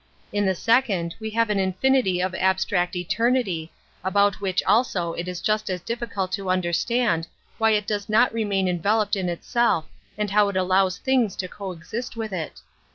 In the sefiond we have an infinity of abstract eternity, about which also it is just as difficult to understand why it does not remain enveloped in itself and how it allows things to coexist with it.